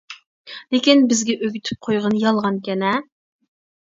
لېكىن بىزگە ئۆگىتىپ قويغىنى يالغانكەن ھە.